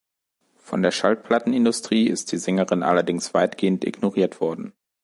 Von der Schallplattenindustrie ist die Sängerin allerdings weitgehend ignoriert worden.